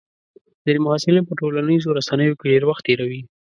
ځینې محصلین په ټولنیزو رسنیو کې ډېر وخت تېروي.